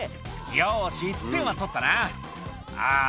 よし１点は取ったなあぁ